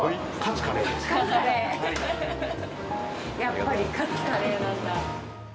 やっぱり勝つカレーなんだ。